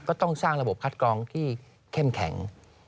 ต้องสร้างระบบคัดกรองที่เข้มแข็ง